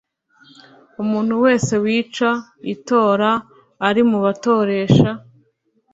umuntu wese wica itora ari mu batoresha